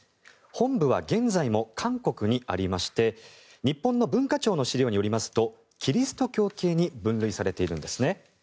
本部は現在も韓国にありまして日本の文化庁の資料によりますとキリスト教系に分類されているんですね。